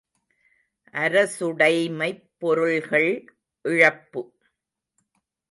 அரசுடைமைப் பொருள்கள் இழப்பு!